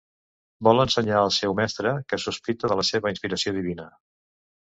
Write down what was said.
Vol ensenyar al seu mestre, que sospita de la seva inspiració divina.